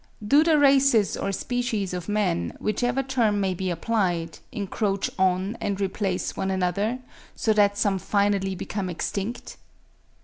Do the races or species of men, whichever term may be applied, encroach on and replace one another, so that some finally become extinct?